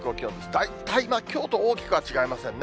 大体きょうと大きくは違いませんね。